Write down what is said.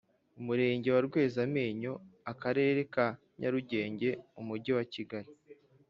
Umurenge wa Rwezamenyo Akarere ka Nyarugenge Umujyi wa Kigali